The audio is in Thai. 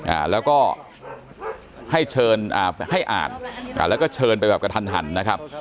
อ่าแล้วก็ให้เชิญอ่าให้อ่านอ่าแล้วก็เชิญไปแบบกระทันหันนะครับ